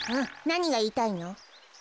なにがいいたいの？